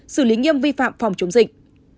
sử lý nghiêm vi phạm phòng chống dịch